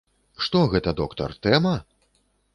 Што гэта, доктар, тэма?